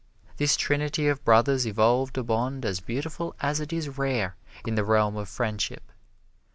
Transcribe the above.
This trinity of brothers evolved a bond as beautiful as it is rare in the realm of friendship.